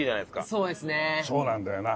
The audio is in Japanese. そうなんだよな。